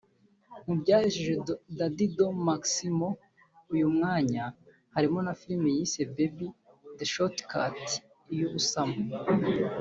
Mu byahesheje Dady de Maximo uyu mwanya harimo na Film yise ‘By the Shortcut/ Iy’ubusamo’